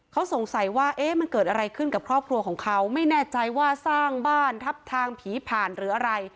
เขาสงสัยว่าเอ๊ะมันเกิดอะไรขึ้นกับครอบครัวของเขาไม่แน่ใจว่าสร้างบ้านทับทางผีผ่านหรืออะไร